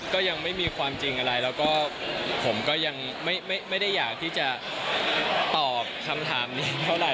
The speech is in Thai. ก็ยังไม่มีความจริงอะไรแล้วก็ผมก็ยังไม่ได้อยากที่จะตอบคำถามนี้เท่าไหร